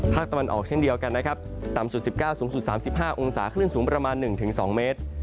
ตะวันออกเช่นเดียวกันนะครับต่ำสุด๑๙สูงสุด๓๕องศาคลื่นสูงประมาณ๑๒เมตร